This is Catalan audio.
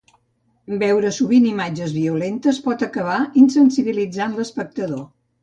Veure sovint imatges violentes pot acabar insensibilitzant l'espectador.